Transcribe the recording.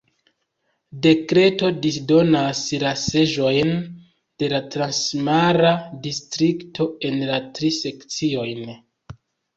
Dekreto disdonas la seĝojn de la transmara distrikto en la tri sekciojn.